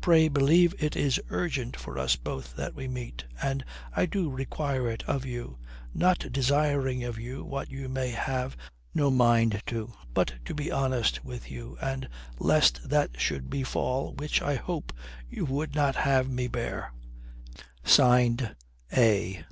Pray believe it is urgent for us both that we meet, and I do require it of you, not desiring of you what you may have no mind to, but to be honest with you, and lest that should befall which I hope you would not have me bear. A."